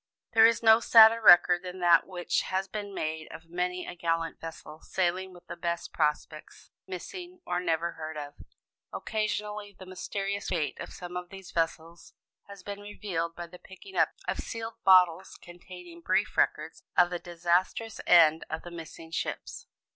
There is no sadder record than that which has been made of many a gallant vessel, sailing with the best prospects "Missing," or "Never heard of." Occasionally the mysterious fate of some of these vessels has been revealed by the picking up of sealed bottles containing brief records of the disastrous end of the missing ships.